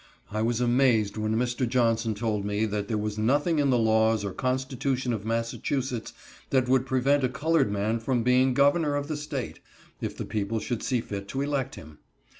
I was amazed when Mr. Johnson told me that there was nothing in the laws or constitution of Massachusetts that would prevent a colored man from being governor of the State, if the people should see fit to elect him.